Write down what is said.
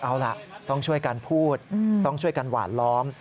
เอาล่ะต้องช่วยกันพูดต้องช่วยกันหวานล้อม